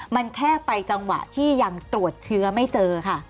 มันแค่ไปจังหวะที่ยังตรวจเชื้อไม่เจอค่ะ